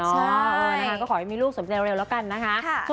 ใช่นะคะก็ขอให้มีลูกสมใจเร็วแล้วกันนะคะ